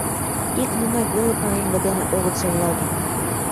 Ик нунак веле пареҥге дене огыт серлаге.